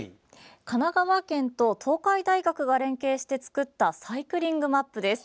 神奈川県と東海大学が連携して作ったサイクリングマップです。